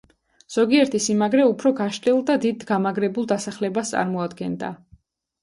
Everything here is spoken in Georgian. ზოგიერთი სიმაგრე უფრო გაშლილ და დიდ გამაგრებულ დასახლებას წარმოადგენდა.